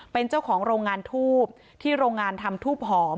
เป็นเจ้าของโรงงานทูบที่โรงงานทำทูบหอม